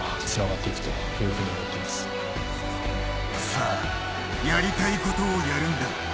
さあ、やりたいことをやるんだ。